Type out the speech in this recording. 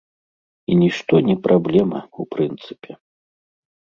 І нішто не праблема, у прынцыпе.